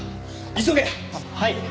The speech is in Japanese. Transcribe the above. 急げ！ははい！